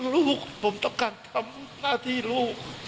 ลูกผมต้องการทำหน้าที่ลูก